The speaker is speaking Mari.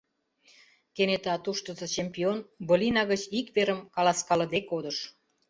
Кенета «туштызо чемпион» былина гыч ик верым каласкалыде кодыш.